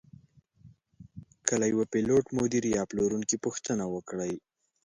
که له یوه پیلوټ، مدیر یا پلورونکي پوښتنه وکړئ.